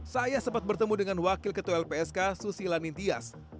saya sempat bertemu dengan wakil ketua lpsk susi lanintias